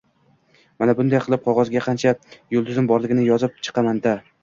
— Mana bunday qilib: qog‘ozga qancha yulduzim borligini yozib chiqaman-da